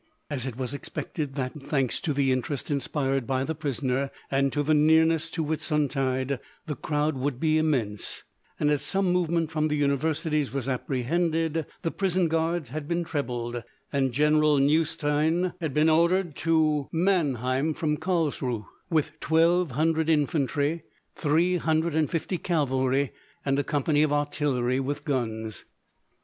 As it was expected that, thanks to the interest inspired by the prisoner and to the nearness to Whitsuntide, the crowd would be immense, and as some movement from the universities was apprehended, the prison guards had been trebled, and General Neustein had been ordered to Mannheim from Carlsruhe, with twelve hundred infantry, three hundred and fifty cavalry, and a company of artillery with guns.